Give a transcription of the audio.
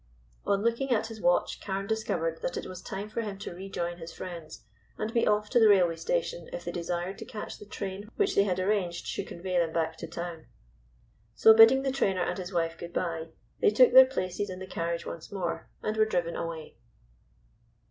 On looking at his watch Carne discovered that it was time for him to rejoin his friends and be off to the railway station if they desired to catch the train which they had arranged should convey them back to town. So bidding the trainer and his wife goodbye, they took their places in the carriage once more, and were driven away.